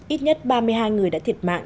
ít nhất ba mươi hai người đã thiệt mạng